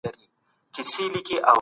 انساني روح هیڅکله نه راضي کیږي.